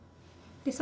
でさ